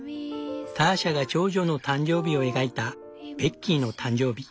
ターシャが長女の誕生日を描いた「ベッキーの誕生日」。